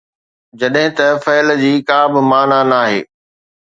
جڏهن ته فعل جي ڪا به معنيٰ ناهي.